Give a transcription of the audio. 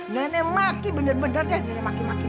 nenek maki bener bener deh nenek maki maki dia